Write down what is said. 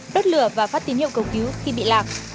đốt lửa và phát tín hiệu cầu cứu khi bị lạc